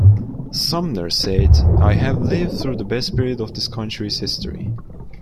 Sumner said, I have lived through the best period of this country's history.